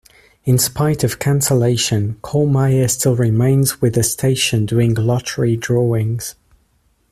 In spite of cancellation, Kollmeyer still remains with the station doing lottery drawings.